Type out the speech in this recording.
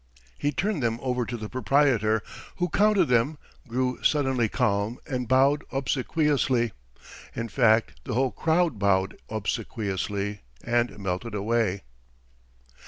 He turned them over to the proprietor, who counted them, grew suddenly calm, and bowed obsequiously—in fact, the whole crowd bowed obsequiously and melted away.